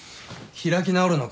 開き直るのか。